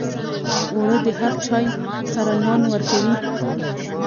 اوړه د هر چای سره نان ورکوي